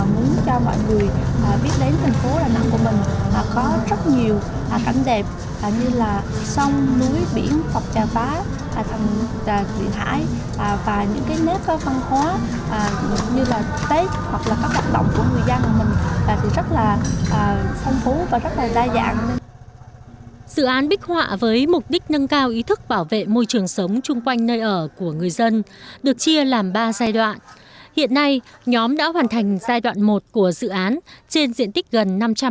mình muốn cho mọi người biết đến thành phố đà nẵng của mình là có rất nhiều cảnh đẹp như là sông núi biển phập trà phá thầm trà trị hải và những nét văn hóa